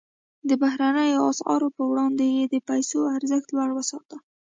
د بهرنیو اسعارو پر وړاندې یې د پیسو ارزښت لوړ وساته.